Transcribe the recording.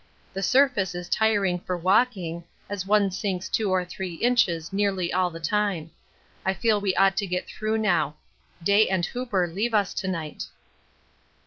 The surface is tiring for walking, as one sinks two or three inches nearly all the time. I feel we ought to get through now. Day and Hooper leave us to night.